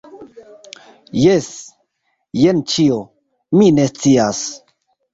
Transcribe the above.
Jes. Jen ĉio. Mi ne scias!